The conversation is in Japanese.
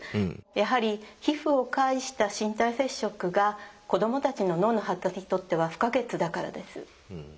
やはり皮膚を介した身体接触が子供たちの脳の発達にとっては不可欠だからです。